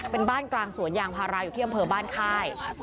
เป็นบ้านกลางสวนยางพาราอยู่ที่อำเภอบ้านค่าย